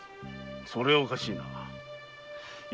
それはおかしい。